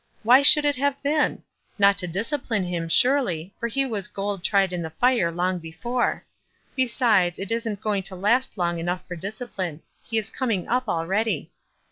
Why should it have been ? Not to discipline him, surely, for he was 'gold tried in the fire' long before; besides, it isn't going to last long enough for discipline ; he is coming up already.